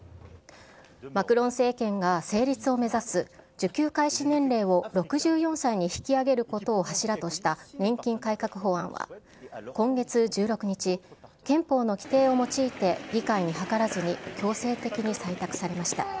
マクロン政権が成立を目指す受給開始年齢を６４歳に引き上げることを柱とした年金改革法案は、今月１６日、憲法の規定を用いて議会に諮らずに強制的に採択されました。